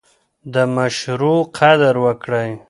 د مشورو قدر وکړئ.